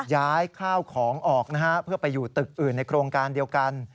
ย้ายข้าวของออกนะฮะเพื่อไปอยู่ตึกอื่นในโครงการเดียวกัน